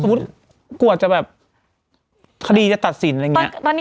สมมุติกว่าจะแบบขดีจะตัดสินอะไรเงี้ยตอนนี้